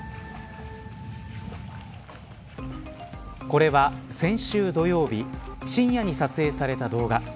これは、先週土曜日深夜に撮影された動画。